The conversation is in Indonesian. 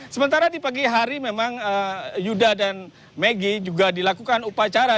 sementara di pagi hari memang yuda dan megi juga dilakukan upacara